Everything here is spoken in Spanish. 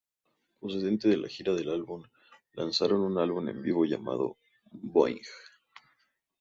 Procedente de la gira del álbum, lanzaron un álbum en vivo llamado "Boing!...